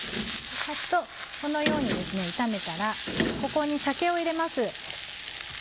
サッとこのように炒めたらここに酒を入れます。